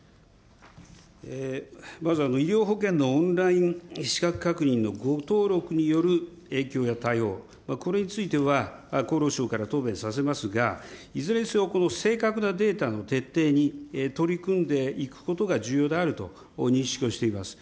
まず医療保険のオンライン資格確認の誤登録による影響や対応、これについては、厚労省から答弁させますが、いずれにせよ、正確なデータの徹底に取り組んでいくことが重要であると認識をしています。